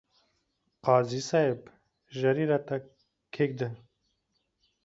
قاضي صاحب! ژر يې راته کښېږده ،